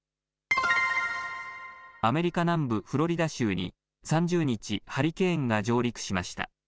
アメリカ南部フロリダ州に３０日、ハリケーンが上陸しました。